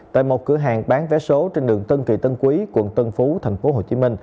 tại một cửa hàng bán vé số trên đường tân kỳ tân quý quận tân phú tp hcm